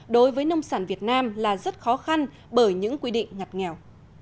đối với nông sản việt nam là rất khó khăn bởi những quy định ngặt nghèo